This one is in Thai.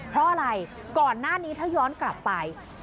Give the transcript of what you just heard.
เพราะอะไรก่อนหน้านี้ถ้าย้อนกลับไป